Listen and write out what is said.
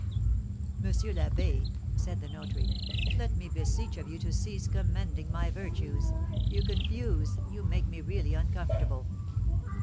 "M. l'Abbé," said the notary, "let me beseech of you to cease commending my virtues; you confuse you make me really uncomfortable."